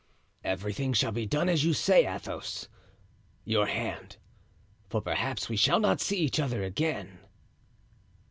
"Everything shall be done as you say, Athos. Your hand, for perhaps we shall not see each other again."